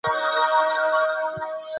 اقتصاد سته.